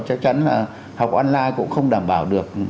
chắc chắn là học online cũng không đảm bảo được